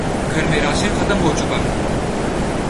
گھر میں راشن ختم ہو چکا ہے